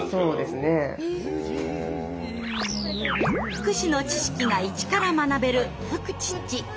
福祉の知識がイチから学べる「フクチッチ」。